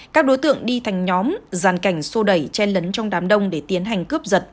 các đối tượng đi thành nhóm giàn cảnh sô đẩy chen lấn trong đám đông để tiến hành cướp giật